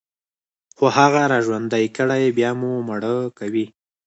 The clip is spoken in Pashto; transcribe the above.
خو هغه راژوندي كړئ، بيا مو مړه کوي